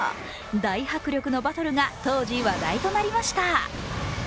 大迫力のバトルが当時、話題となりました。